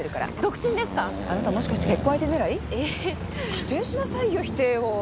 否定しなさいよ否定を。